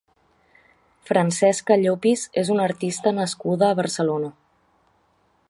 Francesca Llopis és una artista nascuda a Barcelona.